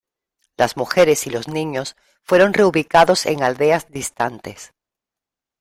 Las mujeres y los niños fueron "reubicados" en aldeas distantes.